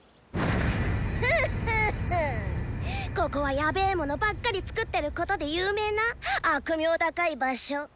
フッフッフッここはヤベェものばっかり作ってることで有名な悪名高い場所